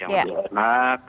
yang lebih lenak